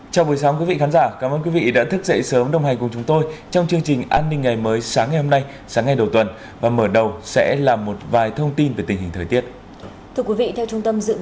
chào mừng quý vị đến với bộ phim hãy nhớ like share và đăng ký kênh để ủng hộ kênh của chúng tôi